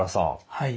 はい。